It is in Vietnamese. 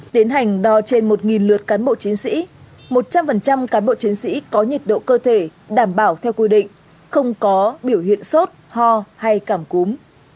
tiến hành đo trên một lượt cán bộ chiến sĩ một trăm linh cán bộ chiến sĩ có nhiệt độ cơ thể đảm bảo theo quy định không có biểu hiện sốt ho hay cảm cúm